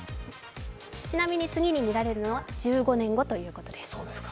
ちなみに次に見られるのは１５年後ということです。